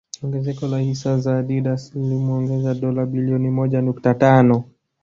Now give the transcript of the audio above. Ongezeko la hisa za Adidas liliomuongezea dola bilioni moja nukta tano